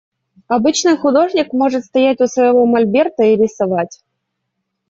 Обычный художник может стоять у своего мольберта и рисовать.